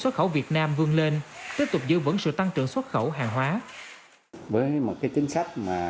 xuất khẩu việt nam vương lên tiếp tục giữ vững sự tăng trưởng xuất khẩu hàng hóa bởi một cái chính sách mà